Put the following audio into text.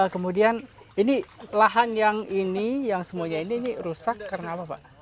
kemudian ini lahan yang ini yang semuanya ini rusak karena apa pak